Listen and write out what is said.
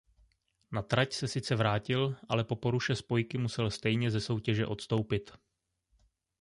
Na trať se sice vrátil ale po poruše spojky musel stejně ze soutěže odstoupit.